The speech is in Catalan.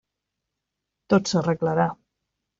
Tot s'arreglarà.